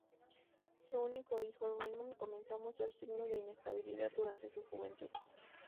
Su único hijo, Raymond, comenzó a mostrar signos de inestabilidad durante su juventud.